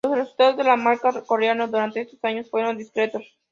Los resultados de la marca coreana durante esos años fueron discretos.